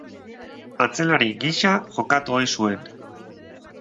Atzelari gisa jokatu ohi zuen.